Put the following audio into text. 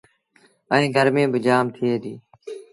ائيٚݩ گرميٚ با جآم ٿئي ديٚ۔